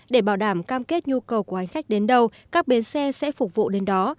để bảo đảm cam kết nhu cầu của hành khách đến đâu các bến xe sẽ phục vụ đến đó